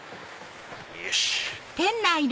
よし！